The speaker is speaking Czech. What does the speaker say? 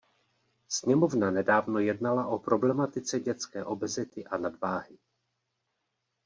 Sněmovna nedávno jednala o problematice dětské obezity a nadváhy.